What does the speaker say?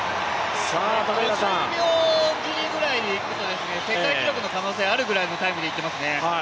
５０秒切りぐらいでいくと世界記録の可能性があるぐらいの記録でいっていますね。